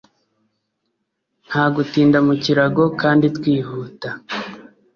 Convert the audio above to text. nta gutinda mu kirago kandi twihuta